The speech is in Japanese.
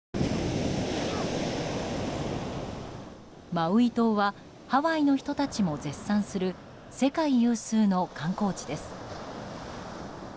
マウイ島はハワイの人たちも絶賛する世界有数の観光地です。